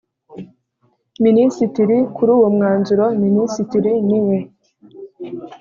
Minisitiri kuri uwo mwanzuro minisitiri niwe